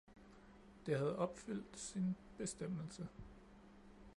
Det havde opfyldt sin bestemmelse